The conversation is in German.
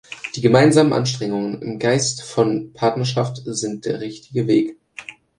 Die gemeinsamen Anstrengungen im Geist von Partnerschaft sind der richtige Weg.